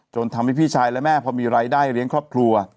ทำให้พี่ชายและแม่พอมีรายได้เลี้ยงครอบครัว